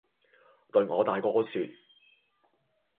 對我大哥說，